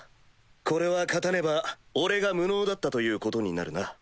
これは勝たねば俺が無能だったということになるな。